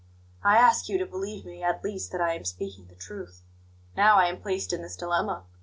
I ask you to believe me, at least, that I am speaking the truth. Now, I am placed in this dilemma.